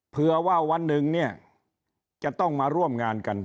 เพื่อว่าวันหนึ่งเนี่ยจะต้องมาร่วมงานกัน